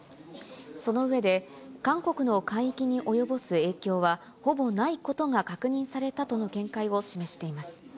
その上で、韓国の海域に及ぼす影響は、ほぼないことが確認されたとの見解を示しています。